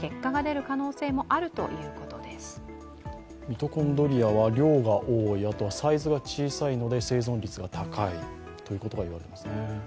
ミトコンドリアは量が多い、あとはサイズが小さいので生存率が高いということが言われていますね。